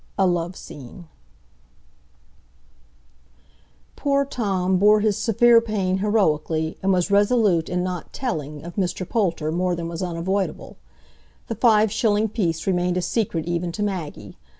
A Love Scene Poor Tom bore his severe pain heroically, and was resolute in not "telling" of Mr Poulter more than was unavoidable; the five shilling piece remained a secret even to Maggie.